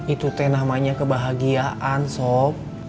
itu tee namanya kebahagiaan sob